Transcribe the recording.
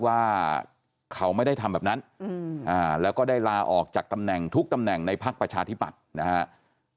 ว่าเขาไม่ได้ทำแบบนั้นแล้วก็ได้ลาออกจากตำแหน่งทุกตำแหน่งในพักประชาธิปัตย์นะครับ